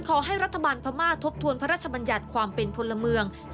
ขอให้รัฐบาลพม่าทบทวนพระราชบัญญัติความเป็นพลเมือง